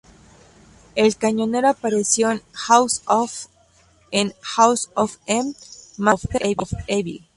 El Cañonero apareció en House of M en "House of M: Masters of Evil".